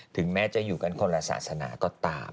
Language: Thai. ถึงแม้จะอยู่กันคนละศาสนาก็ตาม